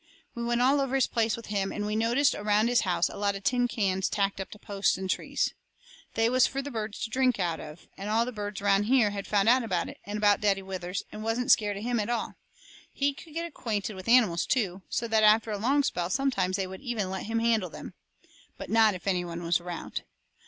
We went all over his place with him, and we noticed around his house a lot of tin cans tacked up to posts and trees. They was fur the birds to drink out of, and all the birds around there had found out about it, and about Daddy Withers, and wasn't scared of him at all. He could get acquainted with animals, too, so that after a long spell sometimes they would even let him handle them. But not if any one was around.